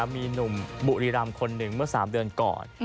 มีหนุ่มบุรีรำคนหนึ่งเมื่อ๓เดือนก่อน